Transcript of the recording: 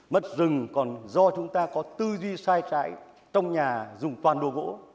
mất rừng còn do chúng ta có tư duy sai trại trong nhà dùng toàn đồ gỗ